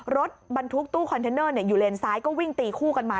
รถบรรทุกตู้คอนเทนเนอร์อยู่เลนซ้ายก็วิ่งตีคู่กันมา